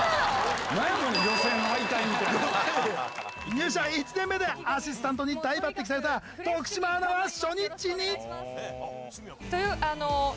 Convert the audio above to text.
入社１年目でアシスタントに大抜擢された徳島アナは初日に。